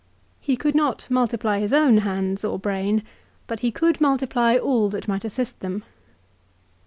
He could not multiply his own hands or brain, but he could multiply all that might assist them.